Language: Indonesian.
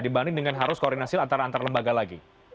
dibanding dengan harus koordinasi antara antara lembaga lagi